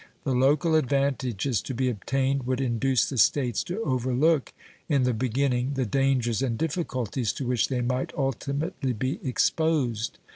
The local advantages to be obtained would induce the States to overlook in the beginning the dangers and difficulties to which they might ultimately be exposed.